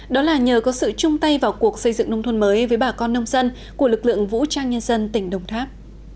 đó là nhờ có sự chung tay vào cuộc xây dựng nông thôn mới với bà con nông dân của lực lượng vũ trang nhân dân tỉnh đồng tháp